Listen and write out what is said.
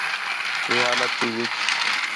ہے حالت تی وِچ